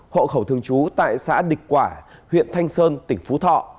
hộ khẩu thường trú tại xã địch quả huyện thanh sơn tỉnh phú thọ